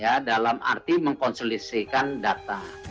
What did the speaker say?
ya dalam arti mengkonsolisikan data